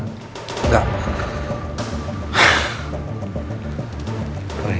tidak tidak apa apa